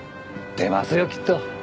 出ますよきっと。